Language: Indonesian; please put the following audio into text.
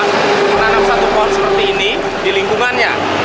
untuk menanam satu pohon seperti ini di lingkungannya